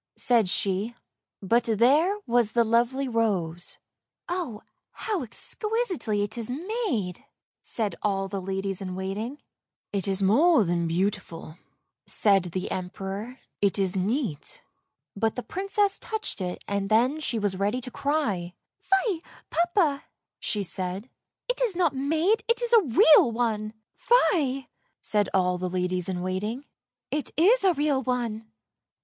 " said she — but there was the lovely rose. "Oh, how exquisitely it is made!" said all the ladies in waiting. 360 !r E WAS BENT WON MARRYING ,~— a THE SWINEHERD 361 " It is more than beautiful," said the Emperor; " it is neat." But the Princess touched it, and then she was ready to cry. " Fie, papa! " she said; " it is not made, it is a real one! "" Fie," said all the ladies in waiting; " it is a real one!